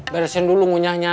beresin dulu ngunyahnya